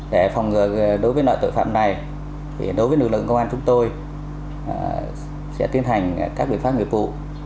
để phòng ngừa đối với loại tội phạm này đối với lực lượng công an chúng tôi sẽ tiến hành các biện pháp nghiệp vụ